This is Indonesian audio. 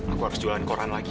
aku harus jualan koran lagi